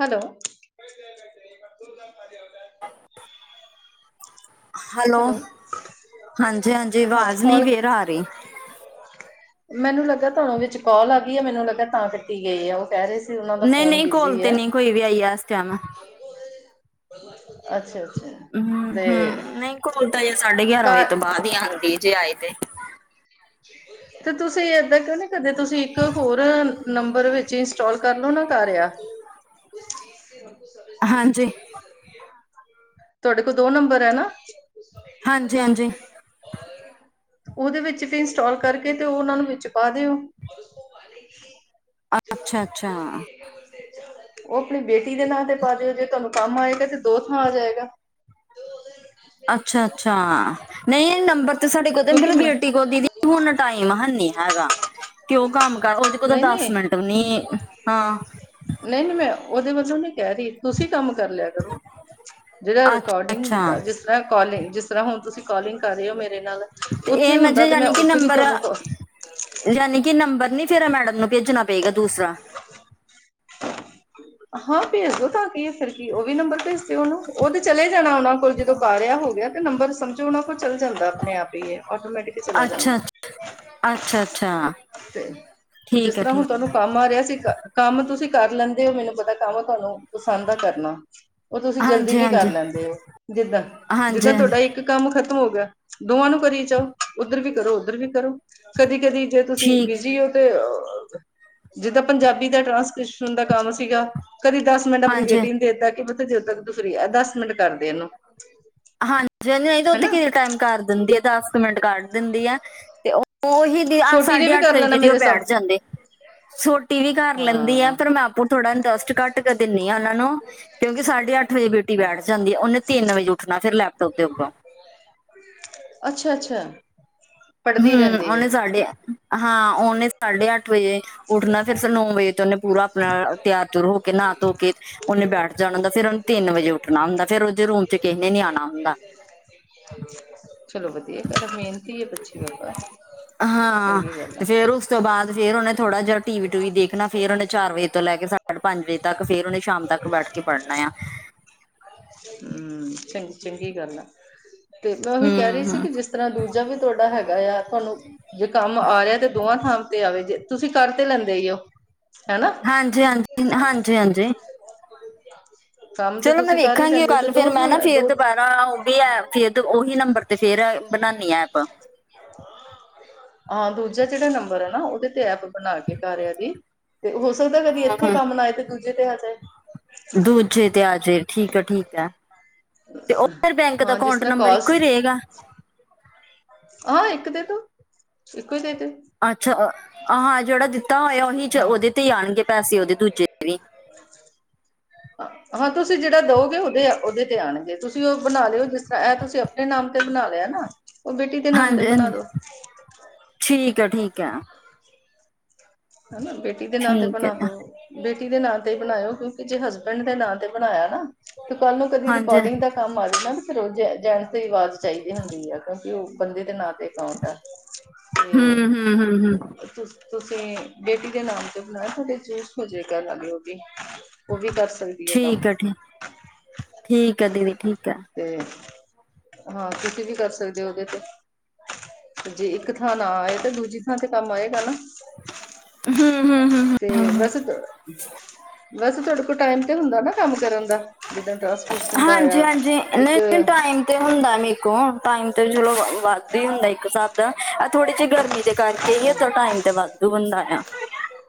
Hello. [inaudible] Hello, ਹਾਂਜੀ-ਹਾਂਜੀ ਹਾਂ ਵਾਜ ਨੀ ਕਾਲ ਫੇਰ ਆ ਰਈ। ਮੈਨੂੰ ਲੱਗਾ ਤੁਹਾਨੂੰ ਵਿੱਚ ਕਾਲ ਆ ਗਈ ਹੈ ਮੈਨੂੰ ਲੱਗਾ ਤਾਂ ਕੱਟੀ ਗਏ ਆ ਉਹ ਕਹਿ ਰਹੇ ਸੀ। ਕਿ ਉਹਨਾਂ ਦਾ ਨਹੀਂ ਫੋਨ ਨਹੀਂ ਕੋਲ ਬਿਜੀ ਤੇ ਐ। ਨਹੀਂ ਕੋਈ ਵੀ ਆਈ ਆ ਇਸ ਟਾਈਮ [inaudible] ਅੱਛਾ, ਅੱਛਾ। ਹਮ ਤੇ ਹਮ ਨਹੀਂ ਕੋਲ ਤਾਂ ਸਾਢੇ ਗਿਆਰਾਂ ਵਜੇ ਤੋਂ ਘਰ ਬਾਅਦ ਈ ਆਂਦੀ ਜੇ ਆਏ ਤੇ ਤੇ ਤੁਸੀਂ ਏਦਾਂ ਕਿਉ ਨੀ ਕਰਦੇ ਤੁਸੀਂ ਇੱਕ ਹੋਰ ਨੰਬਰ ਵਿੱਚ ਇੰਸਟਾਲ ਕਰਲੋ ਨਾ ਕਰੇਆ। ਉਸ ਚੀਜ਼ ਤੇ [unintelligible] ਹਾਂਜੀ। ਤੁਹਾਡੇ ਕੋਲ ਦੋ ਨੰਬਰ ਹੈ ਨਾ। ਹਾਂਜੀ, ਹਾਂਜੀ। ਉਹਦੇ ਵਿੱਚ ਵੀ ਇੰਸਟਾਲ ਕਰਕੇ ਤੇ ਉਹਨਾ ਨੂੰ ਵਿੱਚ ਪਾ ਦਿਓ। ਅੱਛਾ -ਅੱਛਾ। ਉਹ ਆਪਣੀ ਬੇਟੀ ਦੇ ਨਾਂ ਤੇ ਪਾ ਦਿਓ ਜੇ ਤੁਹਾਨੂੰ ਕੰਮ ਆਏਗਾ ਤੇ ਦੋ ਥਾਂ ਆ ਜਾਏਗਾ। ਅੱਛਾ- ਅੱਛਾ। ਨਹੀਂ ਨੰਬਰ ਤੇ ਸਾਡੇ ਕੋਲ ਤਿੰਨ ਕਿਉਂਕਿ ਮੈਂ ਬੇਟੀ ਕੋਲ ਦੀਦੀ ਹੁਣ ਟਾਈਮ ਹੈਨੀ ਹੈਗਾ। ਕਿ ਉਹ ਕੰਮ ਕਰ ਉਹਦੇ ਕੋਲ ਤਾਂ ਨਹੀਂ ਦਸ ਨਹੀਂ ਮਿੰਟ ਵੀ ਨੀ ਹਾਂ। ਨਹੀਂ- ਨਹੀਂ ਮੈਂ ਉਹਦੇ ਵੱਲੋਂ ਨਹੀ ਕਹਿ ਰਹੀ। ਤੁਸੀਂ ਕੰਮ ਕਰ ਲਿਆ ਕਰੋ। ਜਿਹੜਾ ਅੱਛਾ ਰਿਕੋਡਿੰਗ ਅੱਛਾ ਦਾ ਜਿਸ ਤਰ੍ਹਾਂ ਕਾਲਿੰਗ ਜਿਸ ਤਰ੍ਹਾਂ ਹੁਣ ਤੁਸੀਂ ਕਾਲਿੰਗ ਕਰ ਰਹੇ ਹੋ ਮੇਰੇ ਨਾਲ ਤੇ ਉੱਥੇ ਇਹ ਹੁੰਦਾ ਜੇ ਤੇ ਮੈਂ ਯਾਨੀ ਕਿ ਉੱਥੇ ਵੀ ਨੰਬਰ ਤੁਹਾਨੂੰ ਯਾਨੀ ਕਿ ਨੰਬਰ ਨੀ ਫਿਰ ਮੈਡਮ ਨੂੰ ਭੇਜਣਾ ਪਏਗਾ ਦੂਸਰਾ [inaudible] ਹਾਂ ਭੇਜ ਦਿਓ ਤਾਂ ਕੀ ਫਿਰ ਕੀ ਉਹ ਵੀ ਨੰਬਰ ਭੇਜ ਦਿਓ ਉਹਨੂੰ ਉਹ ਤੇ ਚਲੇ ਜਾਣਾ ਉਹਣਾ ਨੂੰ ਕੋਲ ਜਦੋਂ ਕਾਰ ਰਿਹਾ ਹੋ ਗਿਆ ਤੇ ਨੰਬਰ ਸਮਝੋ ਉਹਨਾਂ ਕੋਲ ਚੱਲ ਜਾਂਦਾ ਆਪਣੇ ਆਪ ਹੀ ਆਟੋਮੈਟਿਕਲੀ ਚਲਾ ਅੱਛਾ ਜਾਂਦਾ। ਅੱਛਾ -ਅੱਛਾ। ਤੇ ਜਿਸ ਠੀਕ ਹੈ ਤਰ੍ਹਾਂ ਹੁਣ ਠੀਕ ਹੈ ਤੁਹਾਨੂੰ ਕੰਮ ਆ ਰਿਹਾ ਸੀ। ਕੰਮ ਤੁਸੀਂ ਕਰ ਲੈਂਦੇ ਹੋ ਮੈਨੂੰ ਪਤਾ ਕੰਮ ਤੁਹਾਨੂੰ ਪਸੰਦ ਆ ਕਰਨਾ। ਉਹ ਤੁਸੀਂ ਜਲਦੀ ਹਾਂਜੀ ਵੀ ਕਰ ਹਾਂਜੀ ਲੈਂਦੇ ਹੋ। ਜਿੱਦਾਂ- ਹਾਂਜੀ ਜਿੱਦਾਂ ਹਾਂਜੀ ਤੁਹਾਡਾ ਇੱਕ ਕੰਮ ਖਤਮ ਹੋ ਗਿਆ ਦੋਵਾਂ ਨੂੰ ਕਰੀ ਚਾਹੋ ਉੱਧਰ ਵੀ ਕਰੋ ਉੱਧਰ ਵੀ ਕਰੋ। ਕਦੀ- ਕਦੀ ਜੇ ਤੁਸੀਂ ਠੀਕ ਜੀ ਉਹ ਤੇ ਜਿੱਦਾਂ ਪੰਜਾਬੀ ਦਾ ਟ੍ਰਾਂਸਲੇਸ਼ਨ ਦਾ ਕੰਮ ਸੀਗਾ। ਕਦੀ ਦਸ ਮਿੰਟ ਆਪਣੀ ਹਾਂਜੀ ਬੇਟੀ ਨੂੰ ਦੇ ਦਿੱਤਾ ਕਿ ਪੁੱਤ ਜਦੋਂ ਤੱਕ ਤੂੰ ਫਰੀ ਆ ਦਸ ਮਿੰਟ ਕਰਦੇ ਇਹਨੂੰ ਹਾਂਜੀ ਨਹੀਂ ਤਾਂ ਉਥੇ ਹਨਾ ਕਿ ਟਾਈਮ ਕਰ ਦਿੰਦੀ ਆ ਦਸ ਕਮਿੰਟ ਕੱਢ ਦਿੰਦੀ ਹੈ ਤੇ ਉਹੀ ਅੱ ਛੋਟੀ ਨੇ ਵੀ ਸਾਢੇ ਅੱਠ ਕਰ ਵਜੇ ਲੈਣਾ ਦੀਦੀ ਮੇਰੇ ਉਹ ਹਿਸਾਬ ਬੈਠ ਜਾਂਦੇ ਛੋਟੀ ਵੀ ਕਰ ਲੈਂਦੀ ਆ ਹਾਂ ਫਿਰ ਮੈਂ ਆਪ ਥੋੜਾ ਇੰਟਰਸਟ ਘੱਟ ਕੇ ਦਿੰਦੀ ਹਾਂ ਉਹਨਾ ਨੂੰ, ਕਿਉਂਕਿ ਸਾਢੇ ਅੱਠ ਵਜੇ ਬੇਟੀ ਬੈਠ ਜਾਂਦੀ ਹੈ। ਉਹਨੇ ਤਿੰਨ ਵਜੇ ਉੱਠਣਾ ਫਿਰ ਲੈਪਟੋਪ ਤੇ ਉੱਪਰ ਅੱਛਾ- ਅੱਛਾ। ਪੜ੍ਹਦੀ ਹੂ ਰਹਿੰਦੀ ਹੈ ਉਹਨੇ ਸਾਡੇ ਹਾਂ ਉਹਨੇ ਸਾਢੇ ਅੱਠ ਵਜੇ ਉੱਠਣਾ, ਫਿਰ ਨੌ ਵਜੇ ਤੇ ਉਹਨੇ ਪੂਰਾ ਆਪਣਾ ਤਿਆਰ ਤਿਓਰ ਹੋ ਕੇ ਨਹਾ ਧੋਂ ਕੇ ਉਹਨੇ ਬੈਠ ਜਾਣਾ ਹੁੰਦਾ ਫ਼ਿਰ ਉਹਨੂੰ ਤਿੰਨ ਵਜੇ ਉੱਠਣਾ ਹੁੰਦਾ, ਫੇਰ ਉਹਦੇ ਰੂਮ ਚ ਕਿਸੇ ਨੇ ਨੀ ਆਉਣਾ ਹੁੰਦਾ। ਚਲੋ ਵਧੀਆ। ਪਰ ਮੇਹਨਤੀ ਆ ਬੱਚੀ ਵੀ ਹਾਂ, ਚੰਗੀ ਗੱਲ ਤੇ ਆ। ਫੇਰ ਉਸ ਬਾਅਦ ਫੇਰ ਉਹਨੇ ਥੋੜਾ ਜਾ ਟੀ ਵੀ ਟੂਵੀ ਦੇਖਣਾ ਫੇਰ ਉਹਨੇ ਚਾਰ ਵਜੇ ਤੋਂ ਲੈ ਕੇ ਸਾਢੇ ਪੰਜ ਵਜੇ ਤੱਕ, ਫੇਰ ਉਹਨੇ ਸ਼ਾਮ ਤੱਕ ਬੈਠ ਕੇ ਪੜ੍ਹਨਾ ਆ। ਹਮ ਚੰਗੀ-ਚੰਗੀ ਗੱਲ ਆ, ਤੇ ਮੈਂ ਵੀ ਕਹਿ ਰਹੀ ਸੀ ਹੂੰ-ਹੂੰ, ਜਿਸ ਇਸ ਤਰ੍ਹਾਂ ਦੂਜਾ ਵੀ ਤੁਹਾਡਾ ਹੈਗਾ ਆ ਤੁਹਾਨੂੰ ਜੇ ਕੰਮ ਆ ਰਿਹਾ ਤੇ ਦੋਵਾਂ ਥਾਂ ਤੇ ਆਵੇ ਜੇ ਤੁਸੀਂ ਕਰ ਤੇ ਲੈਂਦੇ ਈ ਓ ਹੈਨਾ। ਹਾਂਜੀ-ਹਾਂਜੀ, ਹਾਂਜੀ-ਹਾਂਜੀ। ਕੰਮ ਤੇ ਚਲੋ ਮੈਂ ਤੁਸੀਂ ਕਰ ਹੀ ਵੇਖਾਂਗੀ ਓ ਲੈਂਦੇ ਹੋ ਤੇ ਕੱਲ ਦੋ ਫੇਰ ਮੈਂ ਨਾ ਥਾਂ ਫਿਰ ਦੋ ਦੁਬਾਰਾ ਵੀ ਐ ਫੇਰ ਤੋ ਓਹੀ ਨੰਬਰ ਤੇ ਫੇਰ ਬਨਾਨੀ ਆਂ ਐਪ ਹਾਂ, ਦੂਜਾ ਜੇੜਾ ਨੰਬਰ ਐ ਨਾ ਓਦੇ ਤੇ ਐਪ ਬਨਾ ਕੇ ਕਾਰੇਆ ਦੀ ਤੇ, ਹੋ ਸਕਦਾ ਕਦੀ ਇੱਥੇ ਕੰਮ ਨਾ ਆਏ ਤੇ ਦੂਜੇ ਤੇ ਆ ਜਾਏ। ਦੂਜੇ ਤੇ ਆ ਜੇ ਠੀਕ ਐ-ਠੀਕ ਐ। ਤੇ ਓ ਫੇਰ ਬੈਂਕ ਦਾ ਹਾਂ ਜਿਸ ਕਾਊਂਟ ਤਰ੍ਹਾਂ ਨੰਬਰ ਕਾਲਸ ਇੱਕੋ ਈ ਰਏਗਾ। ਹਾਂ ਇੱਕ ਦੇ ਦੋ, ਇੱਕੋ ਈ ਦੇ-ਦੇ ਅੱਛਾ, ਅ ਹਾਂ ਜੇੜਾ ਦਿੱਤਾ ਹੋਏਆ, ਓਹੀ 'ਚ ਹਾਂ ਓਦੇ ਤੇ ਈ ਆਣਗੇ ਪੈਸੇ ਓਦੇ ਦੂਜੇ। ਵੀ ਹਾਂ, ਤੁਸੀਂ ਜੇੜਾ ਦੋਗੇ ਓਦੇ-ਓਦੇ ਤੇ ਆਣਗੇੇ, ਤੁਸੀ ਓ ਬਨਾ ਲੇਓ ਜਿਸ ਤਰਾਂ ਐ ਤੁਸੀ ਦੇ ਨਾਮ ਤੇ ਬਨਾ ਲੇਆ ਨਾ। ਉਹ ਬੇਟੀ ਦੇ ਨਾਮ ਤੇ ਬਣਾ ਹਾਂਜੀ-ਹਾਂਜੀ, ਦੋ ਠੀਕ ਐ-ਠੀਕ ਐ। ਹੈਨਾ, ਬੇਟੀ ਦੇ ਨਾਂ ਤੇ ਠੀਕ ਬਨਾ ਦੋ। ਆ ਬੇਟੀ ਦੇ ਨਾਂ ਤੇ ਬਨਾਏਓ ਕਿਉਂਕਿ ਜੇ ਹਸਬੈਂਡ ਦੇ ਨਾਂ ਤੇ ਬਨਾਏਆ ਨਾ, ਤੇ ਕੱਲ ਨੂੰ ਕਦੀ ਹਾਂਜੀ ਰਿਕਾਰਡਿੰਗ ਦਾ ਕੰਮ ਆ ਜਾਂਦੈ ਨਾ ਫੇਰ ਓ ਜੈਂਟਸ ਦੀ ਆਵਾਜ਼ ਚਾਈਦੀ ਹੁੰਦੀ ਐ, ਕਿਉਂਕਿ ਓ ਬੰਦੇ ਦੇ ਨਾਂ ਤੇ ਕਾਊਂਟ ਆ। ਹੂੰ ਤੇ ਹੂੰ ਹੂੰ ਹੂੰ [unintelligible] ਤੁ ਤੁਸੀਂ ਬੇਟੀ ਦੇ ਨਾਮ ਤੇ [unintelligible] ਓ ਵੀ ਕਰ ਸਕਦੀ ਐ ਕੰਮ ਠੀਕ ਆ ਠੀਕ ਠੀਕ ਆ ਦੀਦੀ ਠੀਕ ਆ ਤੇ ਹਾਂ, ਤੁਸੀਂ ਵੀ ਕਰ ਸਕਦੇ ਓ ਓਦੇ ਤੇ ਜੇ ਇੱਕ ਥਾਂ ਨਾ ਆਏ, ਤਾਂ ਦੂਜੀ ਥਾਂ ਤੇ ਕੰਮ ਆਏਗਾ ਨਾ। ਹੂੰ-ਹੂੰ-ਹੂੰ। ਤੇ ਵੈਸੇ ਤ ਵੈਸੇ ਤੁਆਡੇ ਕੋਲ ਟਾਈਮ ਤੇ ਹੁੰਦਾ ਨਾ ਕੰਮ ਕਰਨ ਦਾ? ਜਿੱਦਾਂ ਟ੍ਰਾਂਸਕ੍ਰਿਪਸ਼ਨ ਦਾ ਹਾਂਜੀ ਆਏਆ, ਹਾਂਜੀ ਇੱਕ ਨਹੀਂ ਨਹੀਂ ਟਾਈਮ ਤੇ ਹੁੰਦੈ ਮੇਰੇ ਕੋ ਟਾਈਮ ਤੇ ਚਲੋ ਵੱਧ ਈ ਹੁੰਦੈ ਇੱਕ ਹਸਾਬ ਦਾ ਆ ਥੋੜੀ ਜੇਈ ਗਰਮੀ ਕਰਕੇ ਈ ਥੋ ਟਾਈਮ ਤੇ ਵਾਧੂ ਹੁੰਦਾ ਐ।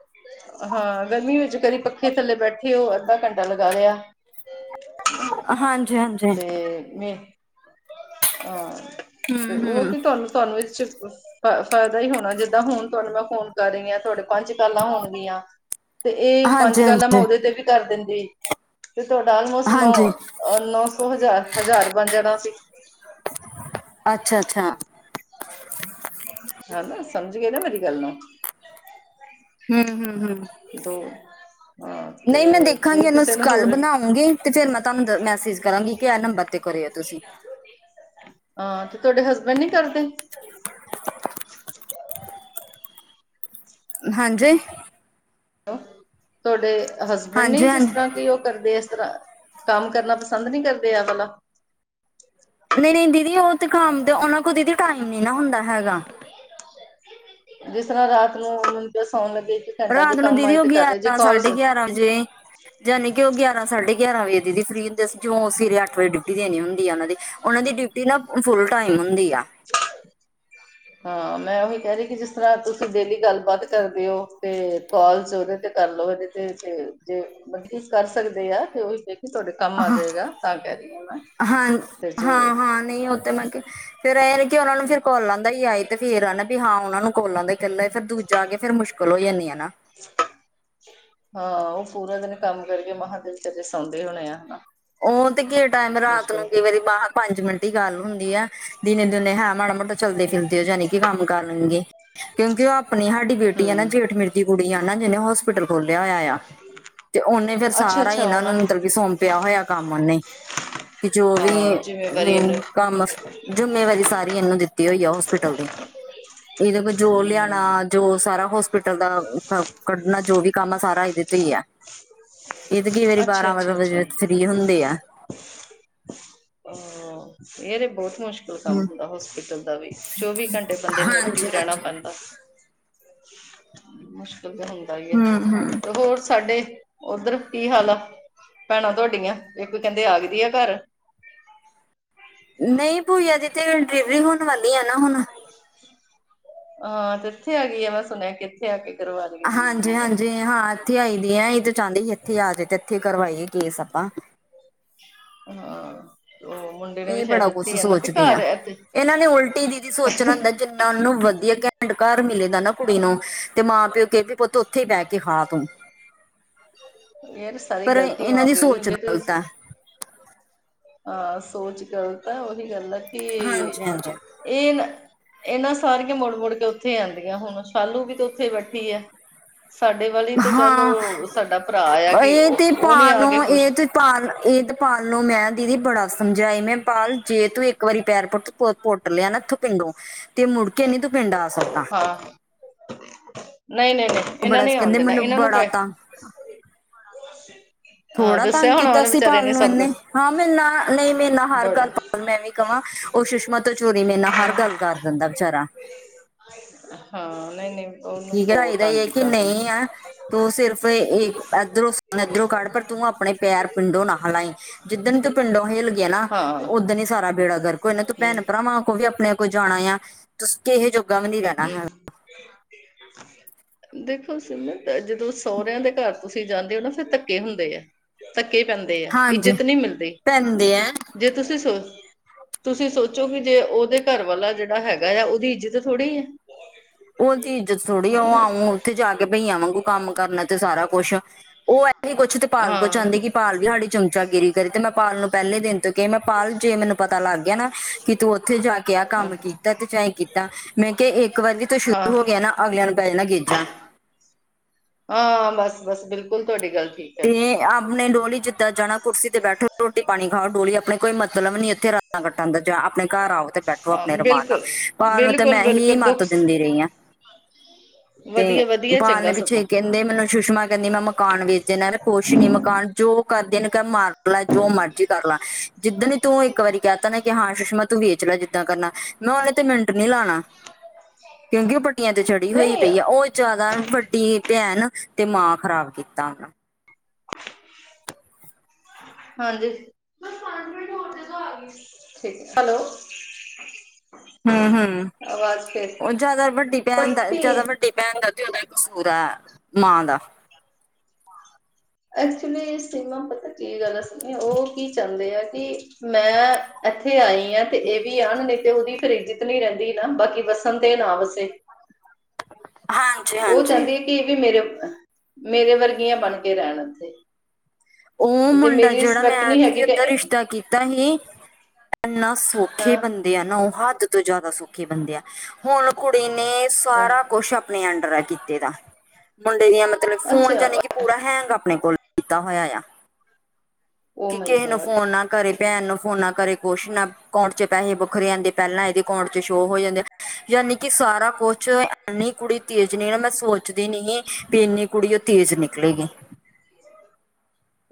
[inaudible] ਹਾਂ, ਗਰਮੀ ਵਿੱਚ ਕਦੀ ਪੱਖੇ ਥੱਲੇ ਬੈਠੇ ਓ ਅੱਦਾ ਘੰਟਾ ਲਗਾ ਲੇਆ। ਹਾਂਜੀ-ਹਾਂਜੀ। ਤੇ ਮੈਂ [unintelligible] ਆ ਤੇ ਓ ਹੂੰ-ਹੂੰ, ਤੇ ਤੁਆਨੂੰ-ਤੁਆਨੂੰ ਏ 'ਚ ਫਾ, ਫਾਏਦਾ ਈ ਹੋਨਾ ਜਿੱਦਾਂ ਹੁਣ ਤੁਆਨੂੰ ਮੈਂ ਫੋਨ ਕਰ ਰਈ ਆਂ ਤੁਆਡੇ ਪੰਜ ਕਾਲਾ ਹੋਨਗੀਆਂ, ਤੇ ਏਹ ਪੰਜ ਕਾਲਾਂ ਮੈਂ ਹਾਂਜੀ-ਹਾਂਜੀ, ਓਦੇ ਤੇ ਵੀ ਕਰ ਦੇਂਦੀ। ਤੇ ਤੁਆਡਾ ਆਲਮੋਸਟ ਹਾਂਜੀ, ਨੌ-ਨੌ ਸੌ, ਹਜ਼ਾਰ-ਹਜ਼ਾਰ ਬਨ ਜਾਨਾ ਸੀ। ਅੱਛਾ-ਅੱਛਾ। ਹੈਨਾ ਸਮਝ ਗਏ ਨਾ ਮੇਰੀ ਗੱਲ ਨੂੰ ਹੂੰ- ਹੂੰ -ਹੂੰ। ਦੋ, ਹਾਂ ਨਈਂ ਮੈਂ ਤੇ ਜੇ ਦੇਖਾਂਗੀ ਏਨੂੰ ਕਿਸੇ ਨੂੰ ਸਕੱਲ ਹੋਰ ਬਨਾਉਂਗੀ ਤੇ ਫੇਰ ਮੈਂ ਤਾਨੂੰ ਮੈਸੇਜ ਕਰਾਂਗੀ ਕਿ, ਐ ਨੰਬਰ ਤੇ ਕਰੇਓ ਤੁਸੀਂ ਆਂ ਤੇ ਤੁਆਡੇ ਹਸਬੈਂਡ ਨੀ ਕਰਦੇ? [inaudible] ਹਾਂਜੀ? [inaudible] ਤੁਆਡੇ ਹਸਬੈਂਡ ਨੀਂ, ਜਿਸ ਹਾਂਜੀ-ਹਾਂਜੀ, ਤਰਾਂ ਕੀ ਓ ਕਰਦੇ ਏਸ ਤਰਾਂ ਕੰਮ ਕਰਨਾ ਪਸੰਦ ਨੀਂ ਕਰਦੇ ਐ ਵਾਲਾ? ਨਈਂ-ਨਈਂ ਦੀਦੀ ਓ ਤੇ ਕਾਮ ਤੇ ਓਨਾਂ [inaudible] ਜਿਸ ਤਰਾਂ ਰਾਤ ਨੂੰ ਮੈਨੁੰ ਕੋਈ ਸੌਨ ਲੱਗੇ ਘੰਟਾ ਜੇ ਰਾਤ ਨੂੰ ਕੰਮ ਦੀਦੀ ਆਏ ਓ ਤੇ ਕਰ ਲਏ ਜੇ ਗਿਆਰਾਂ ਕਾਲ ਸਾਢੇ ਗਿਆਰਾਂ ਵਜੇ ਜਾਨੀ ਕੀ ਓ ਗਿਆਰਾਂ ਸਾਢੇ ਗਿਆਰਾਂ ਵਜੇ ਦੀਦੀ ਫਰੀ ਹੁੰਦੀ ਜੋ ਸਵੇਰੇ ਅੱਠ ਵਜੇ ਡਿਊਟੀ ਦੇਨੀ ਹੁੰਦੀ ਆ ਓਨਾਂ ਦੇ ਓਨਾਂ ਦੀ ਡਿਊ ਟੀ ਨਾ ਫੁੱਲ ਟਾਈਮ ਹੁੰਦੀ ਆ। [inaudible] ਹਾਂ ਮੈਂ ਓਈ ਕੈ ਰਈ ਕੇ ਜਿਸ ਤਰਾਂ ਤੁਸੀਂ ਡੇਲੀ ਗੱਲਬਾਤ ਕਰਦੇ ਓਂ ਤੇ ਕੋਲਜ ਓਦੇ ਤੇ ਕਰ ਲਓ ਏਦੇ ਤੇ-ਤੇ ਜੇ ਮਤਲਬੀ ਕਰ ਸਕਦੇ ਆ ਤੇ ਓਹੀ ਦੇ ਕੇ ਤੁਆਡੇ ਕੰਮ ਆ ਜਾਏਗਾ ਤਾਂ ਕੈ ਰਈ ਆਂ ਮੈਂ, ਤੇ ਜੇ ਨਈਂ ਓ ਤੇ ਮੈਂ ਕਾ ਫੇਰ ਐਂਏ ਐ ਕੀ ਓਨਾ ਨੂੰ ਫਿਰ ਕੋਲਾਂ ਦਾ ਈ ਆਏ ਤੇ ਫੇਰ ਆ ਨਾ ਵੀ ਹਾਂ ਓਨਾਂ ਨੂੰ ਕੋਲਾਂ ਦਾ ਈ ਕੱਲਾ ਫਿਰ ਦੂਜਾ ਆ ਕੇ ਫਿਰ ਮੁਸ਼ਕਿਲ ਹੋ ਜਾਂਨੀ ਆ ਨਾ ਹਾਂ ਓ ਪੂਰਾ ਦਿਨ ਕੰਮ ਕਰਕੇ ਮਹਾਂ ਤੇ ਵਿਚਾਰੇ ਸੌਂਦੇ ਹੋਨੇ ਆ ਹਨਾ। ਓ ਤੇ ਕੀ ਟਾਈਮ ਰਾਤ ਮੁਸ਼ਕਿਲ ਨੂੰ ਤੇ ਕਈ ਵਾਰੀ ਬਾਹਰ ਪੰਜ ਮਿੰਟ ਈ ਗੱਲ ਹੁੰਦੀ ਐ ਦਿਨੇ-ਦਿਨੇ ਹੈਂ ਮਾੜਾ ਮੋਟਾ ਚਲਦੇ ਹੂੰ ਫਿਰਦੇ ਓ ਜਾਨੀ ਕੇ ਕੰਮ ਕਰ ਲੰਨਗੇ, ਕਿਓਂਕਿ ਓ ਆਪਨੀ ਸਾਡੀ ਬੇਟੀ ਆ ਨਾ ਹੂੰ ਜੇਠ ਮੇਰੇ ਦੀ ਕੁੜੀ ਆ ਨਾ ਜਿਨੇ ਹੋਸਪਿਟਲ ਖੋਲਿਆ ਹੋਇਆ ਆ, ਤੇ ਓਨੇ ਫੇਰ ਅੱਛਾ ਸਾਰਾ ਅੱਛਾ ਏਨਾਂ ਨੂੰ ਉਹਨਾਂ ਮਤਲਬ ਸੋਂਪੇ ਪਿਆ ਹੋਇਆ ਕੰਮ ਓਨੇ, ਕੇ ਜੋ ਵੀ ਹਾਂ ਜਿੰਮੇਵਾਰੀ ਇਹਨੂੰ ਓ ਕੰਮ ਜੁਮੇਵਾਰੀ ਸਾਰੀ ਏਨੂੰ ਦਿੱਤੀ ਹੋਈ ਆ ਹੋਸਪਿਟਲ ਦੀ। ਏਦੇ ਕੋਲ ਜੋ ਲਿਆਨਾ ਹੂੰ ਜੋ ਸਾਰਾ ਹੋਸਪਿਟਲ ਦਾ ਕੱਢਨਾ ਜੋ ਵੀ ਕੰਮ ਆ ਸਾਰਾ ਏਦੇ ਤੇ ਈ ਆ, ਏ ਤੇ ਕਈ ਵਾਰੀ ਬਾਰਾਂ-ਬਾਰਾਂ ਵਜੇ ਫਰੀ ਹੁੰਦੇ ਆ ਹਾਂ, ਏ ਤੇ ਬੋਤ ਮੁਸ਼ ਮੁਸ਼ਕਲ ਕੰਮ ਹੁੰਦਾ ਹੋਸਪਿਟਲ ਦਾ ਵੀ, ਚੌਵੀ ਘੰਟੇ ਬੰਦੇ ਨੂੰ ਹਾਂਜੀ ਐਕਟਿਵ ਰੈਨਾ ਹਾਂਜੀ ਪੈਂਦਾ। ਮੁਸ਼ਕਿਲ ਤੇ ਹੁੰਦਾ ਈ ਐ, ਤੇ ਹੋਰ ਸਾਡੇ ਓਦਰ ਕੀ ਹਾਲ ਆ, ਭੈਨਾਂ ਤੁਆਡੀਆਂ ਇੱਕ ਕੈਂਦੇ ਆ ਗਈ ਦੀ ਆ ਘਰ। ਨਈਂ ਪੂਜਾ ਦੀ ਤੇ ਡਿਲੀਵਰੀ ਹੋਨ ਵਾਲੀ ਆ ਨਾ ਹੁਨ ਹਾਂ ਤੇ ਏਥੇ ਹੈਗੀ ਆ ਮੈਂ ਸੁਨੇਆ ਕੇ ਏਥੇ ਆ ਕੇ ਕਰਵਾ ਦੇ। ਹਾਂਜੀ-ਹਾਂਜੀ ਹਾਂ ਏਥੇ ਆਈ ਦੀ ਐ ਅਸੀਂ ਤੇ ਚਾਂਦੇ ਸੀ ਏਥੇ ਆ ਜੇ ਤੇ ਏਥੇ ਕਰਵਾਈਏ ਕੇਸ ਆਪਾਂ। ਹਾਂ ਓ ਏ ਬੜਾ ਕੁੱਛ ਸੋਚਦੀ ਆਂ, ਏਨਾਂ ਨੇ ਉਲਟੀ ਦੀਦੀ ਸੋਚਨਾ ਹੁੰਦਾ ਜਿੰਨਾ ਓਨਾਂ ਨੂੰ ਵਦੀਆ ਕੈ ਡ ਘਰ ਮਿਲੇ ਦਾ ਨਾ ਕੁੜੀ ਨੂੰ ਤੇ ਮਾਂ-ਪਿਓ ਕੈ ਵੀ ਪੁੱਤ ਓਥੇ ਈ ਬੈ ਕੇ ਖਾ ਤੂੰ। ਏ ਤੇ ਸਾਰੀ ਪਰ ਗ਼ਲਤੀ ਇਹਨਾਂ ਮਾਂ-ਪਿਓ ਦੀ ਸੋਚ ਹੁੰਦੀ ਐ ਤੇ ਗ਼ਲਤ ਆ ਹਾਂ ਸੋਚ ਗਲਤ ਐ ਤਾਂ ਓਹੀ ਗੱਲ ਆ ਕੇ ਹਾਂਜੀ ਹਾਂਜੀ ਏ ਨਾ ਸਾਰੀਆਂ ਮੁੜ-ਮੁੜ ਕੇ ਓਥੇ ਈ ਆਂਦੀਆਂ ਹੁਨ ਸ਼ਾਲੂ ਵੀ ਤੇ ਓਥੇ ਈ ਬੈਠੀ ਐ। ਸਾਡੇ ਵਾਲੀ ਤੇ ਹਾਂ ਚਲੋ ਸਾਡਾ ਭਰਾ ਆ ਕੇ ਇਹ ਤੇ ਓ ਨੀ ਪਾਲ ਆ ਕੇ ਨੂੰ ਖੁਸ਼। ਇਹ ਤੇ ਪਾਲ ਇਦਪਾਲ ਨੂੰ ਮੈਂ ਦੀਦੀ ਬੜਾ ਸਮਝਾਈ ਮੈਂ ਪਾਲ ਜੇ ਤੂੰ ਇੱਕ ਵਾਰੀ ਪੈਰ ਪੁੱਟ ਪੁੱਤ ਪੁੱਟ ਲਿਆ ਨਾ ਏਥੋਂ ਪਿੰਡੋਂ ਤੇ ਮੁੜ ਕੇ ਨੀ ਤੂੰ ਪਿੰਡ ਆ ਸਕਦਾ। ਹਾਂ ਨਈਂ-ਨਈਂ-ਨਈਂ ਉਹ ਏਨਾਂ ਬੜਾ ਨੇ ਔਨ ਕਹਿੰਦੇ ਦੇਨਾ ਮੈਨੂੰ ਏਨਾਂ ਨੂੰ ਬੜਾ ਪੈ [inaudible] ਤੰਗ ਹਾਂ ਥੋੜ੍ਹਾ ਤੰਗ ਦੱਸਿਆ ਹੋਣਾ ਕੀਤਾ ਉਹਨੇ ਸੀ ਵਿਚਾਰੇ ਪਾਲ ਨੇ ਨੂੰ ਸਭ ਏਨੇ ਕੁਛ ਹਾਂ ਮੇਰੇ ਨਾਲ ਨਈਂ ਮੇਰੇ ਨਾਲ ਹਰ ਬੜਾ ਗੱਲ ਗੱਲ ਮੈਂ ਵੀ ਕਵਾਂ ਓ ਸੁਸ਼ਮਾ ਤੋਂ ਚੋਰੀ ਮੇਰੇ ਨਾਲ ਹਾਂ ਹਰ ਗੱਲ ਕਰ ਦਿੰਦਾ ਵਿਚਾਰਾ ਹਾਂ ਨਈਂ-ਨਈਂ। ਠੀਕ ਏ ਚਈਦਾ ਏ ਕੇ ਨਈਂ ਐ ਤੂੰ ਸਿਰਫ ਏ ਐਦਰੋਂ ਸੁਨ ਐਦਰੋਂ ਕੱਢ ਪਰ ਤੂੰ ਆਪਨੇ ਪੈਰ ਪਿੰਡੋਂ ਨਾ ਹਲਾਈਂ। ਜਿੱਦਣ ਤੂੰ ਪਿੰਡੋਂ ਹਿੱਲ ਗਿਆ ਨਾ ਹਾਂ ਤੇ ਉਦਣ ਹੀ ਸਾਰਾ ਬੇੜਾ ਗਰਕ ਹੋਜਨਾ ਤੂੰ ਹੂੰ ਭੈਣ ਭਰਾਵਾਂ ਕੋ ਵੀ ਆਪਣੇ ਕੋ ਜਾਣਾ ਯਾ ਤੁਸੀਂ ਕਿਹੇ ਜੋਗਾ ਵੀ ਨੀ ਰਹਿਣਾ ਹੂੰ ਹੈਗਾ ਦੇਖੋ ਸਮਤ ਜਦੋਂ ਸੋਰਿਆਂ ਦੇ ਘਰ ਤੁਸੀਂ ਜਾਂਦੇ ਹੋ ਨਾ ਫਿਰ ਧੱਕੇ ਹੁੰਦੇ ਐ ਧੱਕੇ ਹੀ ਪੈਂਦੇ ਆ ਹਾਂਜੀ ਇੱਜਤ ਨਹੀਂ ਮਿਲਦੀ ਪੈਂਦੇ ਆ ਜੇ ਤੁਸੀਂ ਸੋਸ ਤੁਸੀਂ ਸੋਚੋ ਕਿ ਜੇ ਉਹਦੇ ਘਰ ਵਾਲਾ ਜਿਹੜਾ ਹੈਗਾ ਆ ਉਹਦੀ ਇੱਜਤ ਥੋੜ੍ਹੀ ਹੈ ਉਹਦੀ ਇਜ਼ਤ ਥੋੜੀ ਉਹ ਹਨਾ ਆਂਊ ਉੱਥੇ ਜਾ ਕੇ ਭਈਆਂ ਵਾਂਗੂ ਕੰਮ ਕਰਨਾ ਤੇ ਸਾਰਾ ਕੁੱਛ ਉਹ [unintelligible] ਕੁੱਛ ਤੇ ਭਾਲਕੋ ਹਾਂ ਚਾਉਂਦੀ ਕਿ ਪਾਲ ਵੀ ਹਾਡੀ ਚਮਚਾ ਗਿਰੀ ਕਰੇ ਤੇ ਮੈਂ ਪਾਲ ਨੂੰ ਪਹਿਲੇ ਦਿਨ ਤੋਂ ਕਿਹਾ ਮੈਂ ਪਾਲ ਜੇ ਮੈਨੂੰ ਪਤਾ ਲੱਗ ਗਿਆ ਨਾ ਕਿ ਤੂੰ ਉੱਥੇ ਜਾ ਕੇ ਆਹ ਹਾਂ ਕੰਮ ਕੀਤਾ ਤੇ ਚਾਹੇ ਕੀਤਾ ਮੈਂ ਕਿਹਾ ਇੱਕ ਤੇ [unintelligible] ਹਾਂ ਹੋ ਗਿਆ ਨਾ ਅਗਲਿਆਂ ਨੂੰ ਪੈ ਜਾਣਾ ਗੀਜਾ ਆਂ ਬਸ ਬਸ ਬਿਲਕੁਲ ਤੁਹਾਡੀ ਗੱਲ ਠੀਕ ਹੈ ਤੇ ਅਬ ਆਪਣੇ ਡੋਲੀ ਜਿੱਦਾਂ ਜਾਣਾ ਕੁਰਸੀ ਤੇ ਬੈਠੋ ਰੋਟੀ ਪਾਣੀ ਖਾਓ ਡੋਲੀ ਆਪਣੇ ਕੋਈ ਮਤਲਬ ਨੀ ਇੱਥੇ ਰਾਤਾਂ ਕੱਟਣ ਦਾ ਚਾ ਆਪਣੇ ਘਰ ਆਓ ਤੇ ਬੈਠੋ ਹਾਂ ਆਪਣੇ ਰੁਮਾਨ ਬਿਲਕੁਲ ਨਾਲ [unintelligible] ਨੂੰ ਤੇ ਬਿਲਕੁਲ ਮੈਂ ਹੀ ਬਿਲਕੁਲ ਮੱਤ ਦੁੱਖ ਦਿੰਦੀ ਰਹੀ ਹਾਂ ਤੇ ਵਧੀਆ ਵਧੀਆ ਪਾਲ ਚੰਗਾ ਨੇ ਪਿੱਛੋਂ ਸਗੋਂ ਇੱਕ [unintelligible] ਕਹਿੰਦੇ ਮੈਨੂੰ ਸੁਸ਼ਮਾ ਕਹਿੰਦੀ ਮੈਂ ਮਕਾਨ ਵੇਚਣਾ [unintelligible] ਕੁੱਛ ਨੀ ਮਕਾਨ ਜੋ ਕਰਦੇ ਨੇ ਕੇ ਮਾਰ ਲੈ ਜੋ ਮਰਜੀ ਕਰ ਲੈ ਜਿੱਦਣ ਹੀ ਤੂੰ ਇੱਕ ਵਾਰੀ ਕਹਿ ਤਾ ਨਾ ਕਿ ਹਾਂ ਸੁਸ਼ਮਾ ਤੂੰ ਵੇਚ ਲੈ ਜਿੱਦਾਂ ਕਰਨਾ ਮੈਂ ਉਹਨੇ ਤੇ ਮਿੰਟ ਨੀ ਲਾਉਣਾ [inaudible] ਕੇਹਂਦੀ ਉਹ ਪੱਟੀਆਂ ਤੇ ਚੜੀ ਹੋਈ ਨਹੀਂ ਪਈ ਆ ਉਹ ਜ਼ਿਆਦਾ ਵੱਡੀ ਭੈਣ ਤੇ ਮਾਂ ਖ਼ਰਾਬ ਕੀਤਾ ਉਹਨੂੰ ਹਾਂਜੀ [inaudible] ਠੀਕ ਆ ਹੈਲੋ ਹਮ ਹਮ ਆਵਾਜ਼ ਫੇਰ ਉਹ ਜ਼ਿਆਦਾ ਵੱਡੀ ਭੈਣ ਦਾ ਐ ਪੱਟੀ ਜਿਆਦਾ ਹੈ ਵੱ ਡੀ ਭੈਣ ਦਾ ਤੇ ਉਹਦਾ ਕਸੂਰ ਹੈ ਮਾਂ ਦਾ ਐਕਚੁਲੀ ਸੀਮਾ ਪਤਾ ਕੀ ਗੱਲ ਏ ਸੀਮੀ ਉਹ ਕੀ ਚਾੳਂਦੇ ਐ ਕਿ ਮੈਂ ਇੱਥੇ ਆਈ ਆ ਤੇ ਇਹ ਵੀ ਆਉਨ ਨਹੀ ਤੇ ਉਹਦੀ ਫਿਰ ਇੱਜਤ ਨੀ ਰਹਿੰਦੀ ਨਾ ਬਾਕੀ ਬਸ [unintelligible] ਹਾਂ ਉਹ ਚਾਂਦੀ ਏ ਕਿ ਇਹ ਵੀ ਮੇਰੇ ਮੇਰੇ ਵਰਗੀਆਂ ਬਣ ਕੇ ਰੈਣ ਏਥੇ ਉਹ ਮੁੰਡਾ ਜਿਹੜਾ ਮੈਂ ਤੇ [unintelligible] ਰਿਸ਼ਤਾ ਕੀਤਾ ਹੀ ਏੱਨਾ ਸੌਖੇ ਹਾਂ ਬੰ ਦੇ ਏ ਨਾ ਉਹ ਹੱਦ ਤੋਂ ਜਾਦਾ ਸੌਖੇ ਬੰਦੇ ਆ ਹੁਣ ਕੁੜੀ ਨੇ ਹਾਂ ਸਾਰਾ ਕੁੱਛ ਅਪ ਆਪਣੇ ਅੰਡਰ ਹੈ ਕੀਤੇ ਦਾ ਮੁੰਡੇ ਦੀਆਂ ਮਤਲਬ ਫੋਨ ਅੱਛਾ ਜਾਨੀ ਕਿ ਪੂਰਾ ਹੈਂਗ ਆਪਣੇ ਕੋਲ ਕੀਤਾ ਹੋਇਆ ਆ ਓ ਕਿ ਮਾਈ ਕਿਹੇ ਨੂੰ ਫੋਨ ਨਾ ਕਰੇ ਭੈਣ ਨੂੰ ਫੋਨ ਨਾ ਕਰੇ ਕੁੱਛ ਨਾ ਅਕਾਊਂਟ ਚ ਪੈਹੇ ਬੱਖਰੇ ਆਂਦੇ ਪਹਿਲਾਂ ਇਹਦੇ ਅਕੌਂਟ ਚ ਸ਼ੋਅ ਹੋ ਜਾਂਦੇ ਯਾਨੀ ਕਿ ਸਾਰਾ ਕੁੱਛ ਇੰਨੀ ਕੁੜੀ ਤੇਜ਼ ਨੀ ਨਾ ਮੈਂ ਸੋਚਦੀ ਨੀ ਹੀ ਬੀ ਇੰਨੀ ਕੁੜੀ ਉਹ ਤੇਜ਼ ਨਿਕਲੇਗੀ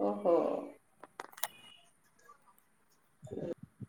ਉਹ ਹੋ [inaudible]